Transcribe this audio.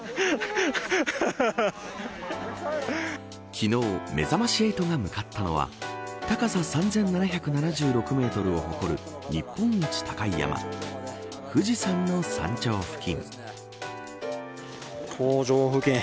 昨日、めざまし８が向かったのは高さ３７７６メートルを誇る日本一高い山富士山の山頂付近。